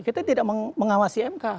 kita tidak mengawasi imk